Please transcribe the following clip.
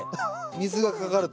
水がかかると。